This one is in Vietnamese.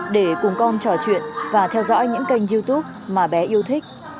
để cùng con trò chuyện và theo dõi những kênh youtube mà bé yêu thích